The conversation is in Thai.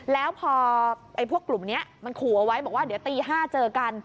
แล้วพอพวกกลุ่มนี้มันขู่เอาไว้บอกว่าเดี๋ยวตี๕เจอกัน